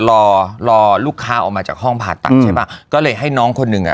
รอรอลูกค้าออกมาจากห้องผ่าตัดใช่ป่ะก็เลยให้น้องคนหนึ่งอ่ะ